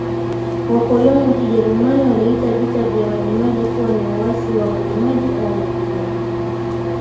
Wakoloni wa Kijerumani waliita Vita ya Majimaji kuwa ni uasi wa Majimaji au Majimaji